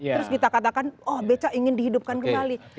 terus kita katakan oh beca ingin dihidupkan kembali